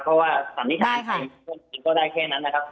เพราะว่าสัมภิษฐานก็ได้แค่นั้นนะครับ